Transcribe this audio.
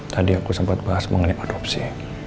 tadi aku sempat bahas mengenai adopsi